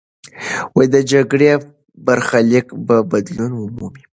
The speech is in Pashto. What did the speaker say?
د جګړې برخلیک به بدلون مومي.